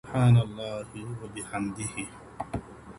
سبحان الله و بحمده.